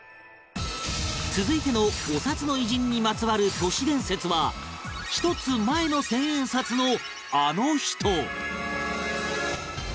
続いてのお札の偉人にまつわる都市伝説は１つ前の千円札のあの人